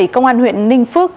công an huyện ninh phước